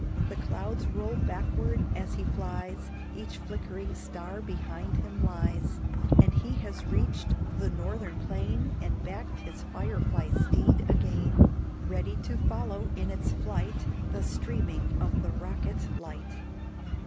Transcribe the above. The clouds roll backward as he flies, Each flickering star behind him lies, And he has reached the northern plain, And backed his fire fly steed again, Ready to follow in its flight The streaming of the rocket light.